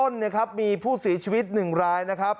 เนี่ยครับมีผู้ศรีชวิตหนึ่งร้ายนะครับ